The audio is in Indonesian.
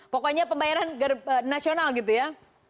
pokoknya pembayaran nasional gitu ya